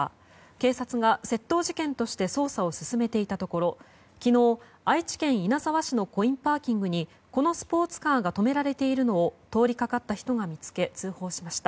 警察が窃盗事件として捜査を進めていたところ昨日、愛知県稲沢市のコインパーキングにこのスポーツカーが止められているのを通りかかった人が見つけ通報しました。